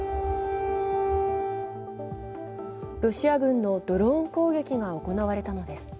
ロシア軍のドローン攻撃が行われたのです。